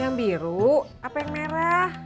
yang biru apa yang merah